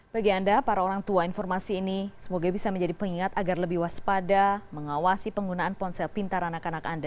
bagi anda para orang tua informasi ini semoga bisa menjadi pengingat agar lebih waspada mengawasi penggunaan ponsel pintar anak anak anda